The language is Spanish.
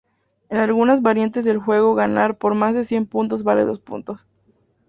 En algunas variantes del juego ganar por más de cien puntos vale dos puntos.